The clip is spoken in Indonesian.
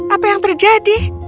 apa yang terjadi